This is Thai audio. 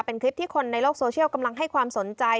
เป็นคลิปที่คนในโลกโซเชียลกำลังให้ความสนใจ